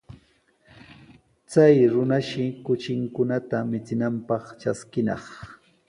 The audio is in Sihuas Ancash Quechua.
Chay runashi kuchinkunata michinanpaq traskinaq.